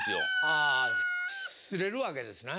ああ擦れるわけですね。